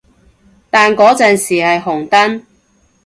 但嗰陣時係紅燈